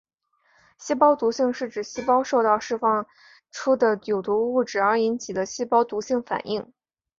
细胞毒性是指细胞受到释放出的有毒物质而引起的细胞毒性反应。